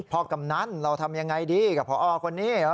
กำนันเราทำยังไงดีกับพอคนนี้เหรอ